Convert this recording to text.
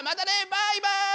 バイバイ！